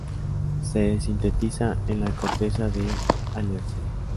Se sintetiza en la corteza del alerce.